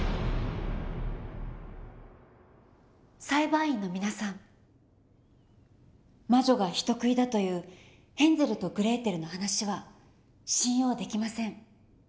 裁判員の皆さん魔女が人食いだというヘンゼルとグレーテルの話は信用できません。